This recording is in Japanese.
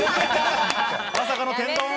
まさかの天丼。